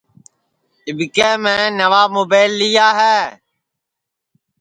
اِٻکے میں نئوا مُبیل لیا ہے